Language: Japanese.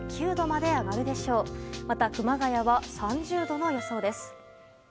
また、熊谷は３０度の予想です。